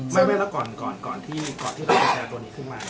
ไม่แล้วก่อนก่อนที่เราจะแชร์ตัวนี้ขึ้นมา